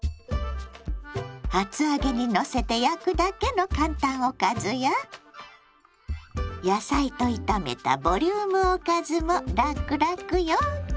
厚揚げにのせて焼くだけの簡単おかずや野菜と炒めたボリュームおかずもラクラクよ！